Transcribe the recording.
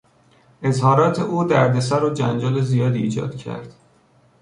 اظهارات او دردسر و جنجال زیادی ایجاد کرد.